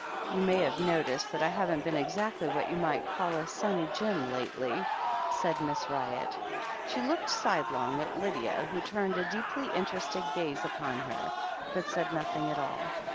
"You may have noticed that I haven't been exactly what you might call a Sunny Jim lately," said Miss Ryott. She looked sidelong at Lydia, who turned a deeply interested gaze upon her, but said nothing at all.